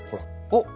おっ！